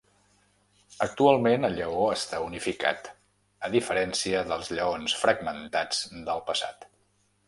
Actualment el lleó està unificat, a diferència dels lleons fragmentats del passat.